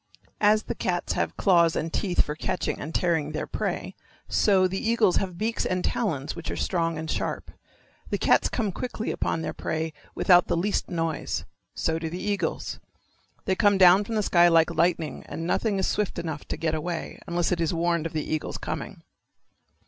As the cats have claws and teeth for catching and tearing their prey so the eagles have beaks and talons which are strong and sharp. The cats come quickly upon their prey without the least noise. So do the eagles. They come down from the sky like lightning and nothing is swift enough to get away, unless it is warned of the eagle's coming.